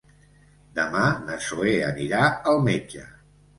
Demà na Zoè anirà al metge.